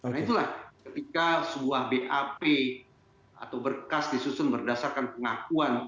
nah itulah ketika sebuah bap atau berkas disusun berdasarkan pengakuan